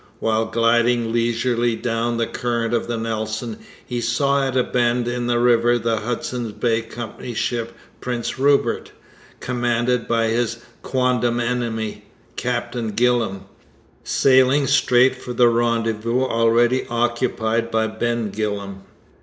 While gliding leisurely down the current of the Nelson, he saw at a bend in the river the Hudson's Bay Company's ship Prince Rupert, commanded by his quondam enemy, Captain Gillam, sailing straight for the rendezvous already occupied by Ben Gillam.